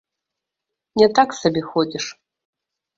Не так сабе ходзіш!